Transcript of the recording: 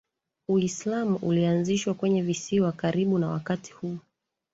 Uislam ulianzishwa kwenye visiwa karibu na wakati huu